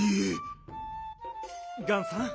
ガンさん。